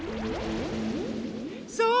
そう！